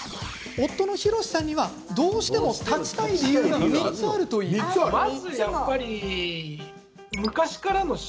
夫のひろしさんにはどうしても立ちたい理由が３つあるといいます。